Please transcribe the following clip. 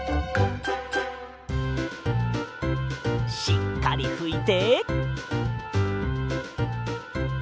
しっかりふいて。